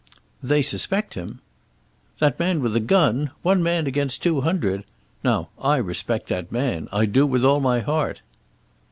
"They suspect him." "That man with the gun! One man against two hundred! Now I respect that man; I do with all my heart."